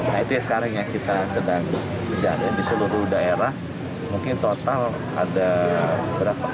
nah itu yang sekarang yang kita sedang terjadi di seluruh daerah mungkin total ada berapa